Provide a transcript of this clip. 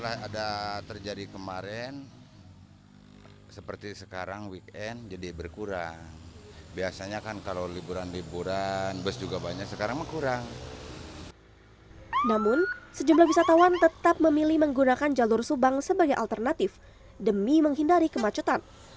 namun sejumlah wisatawan tetap memilih menggunakan jalur subang sebagai alternatif demi menghindari kemacetan